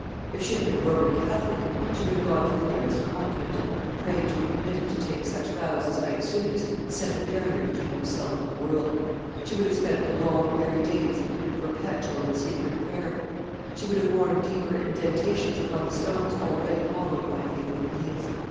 If she had been a Roman Catholic, she would have gone to the nearest convent, and prayed to be permitted to take such vows as might soonest set a barrier between herself and the world; she would have spent the long weary days in perpetual and secret prayer; she would have worn deeper indentations upon the stones already hollowed by faithful knees.